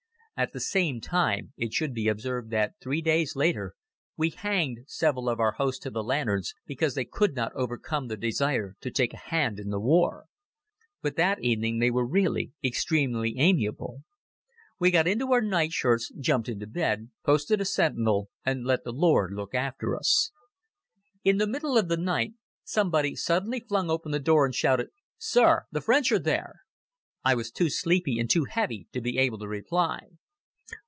At the same time, it should be observed that three days later, we hanged several of our hosts to the lanterns because they could not overcome their desire to take a hand in the war. But that evening they were really extremely amiable. We got into our nightshirts, jumped into bed, posted a sentinel, and let the Lord look after us. In the middle of the night somebody suddenly flung open the door and shouted: "Sir, the French are there!" I was too sleepy and too heavy to be able to reply.